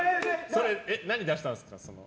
それ何出したんですか？